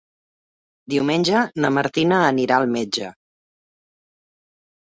Diumenge na Martina anirà al metge.